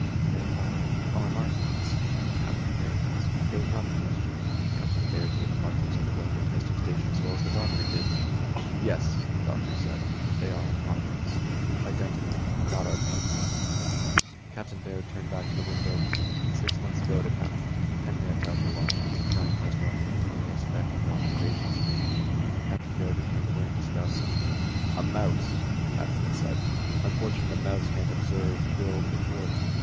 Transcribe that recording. "They are our markings?" Captain Baird asked. It was not the question. Captain Baird knew the markings of the Rocket Testing Station as well as the doctor did. "Yes," the doctor said, "they are our markings. Identical. But not our paint." Captain Baird turned back to the window. Six months ago it had happened. Ten minutes after launching, the giant test rocket had been only a speck on the observation screen. Captain Baird had turned away in disgust. "A mouse!" the captain had said, "unfortunate a mouse can't observe, build, report.